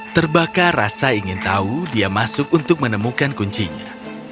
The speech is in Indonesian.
terbakar rasa ingin tahu dia masuk untuk menemukan kuncinya